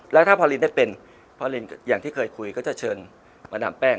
แล้วถ้าพอลินได้เป็นพอลินอย่างที่เคยคุยก็จะเชิญมาดามแป้ง